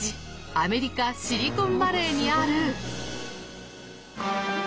アメリカ・シリコンバレーにある。